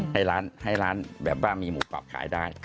ให้ร้านแบบว่ามีหมูปรับขายได้